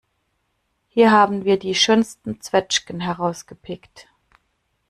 Hier haben wir die schönsten Zwetschgen herausgepickt.